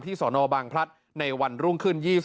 ที่สอนอบางพลัดในวันรุ่งขึ้น